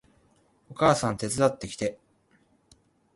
お母さん手伝ってきて